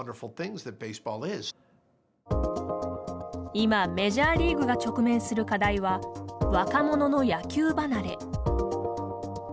今、メジャーリーグが直面する課題は若者の野球離れ。